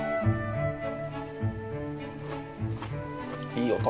いい音。